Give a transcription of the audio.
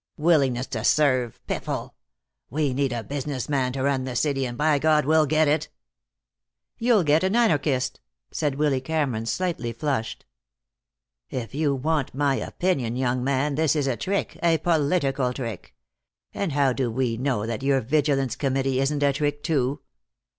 "Willingness to serve, piffle! We need a business man to run the city, and by God, we'll get it!" "You'll get an anarchist," said Willy Cameron, slightly flushed. "If you want my opinion, young man, this is a trick, a political trick. And how do we know that your Vigilance Committee isn't a trick, too?